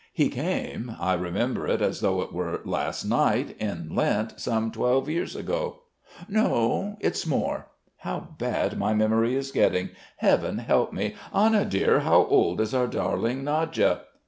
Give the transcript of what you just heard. He came I remember it as though it were last night in Lent, some twelve years ago. No, it's more.... How bad my memory is getting, Heaven help me! Anna dear, how old is our darling Nadya?